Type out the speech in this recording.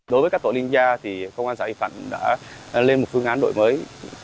đối với các tổ liên gia thì công an xã hiệp thạnh đã lên một phương án đổi mới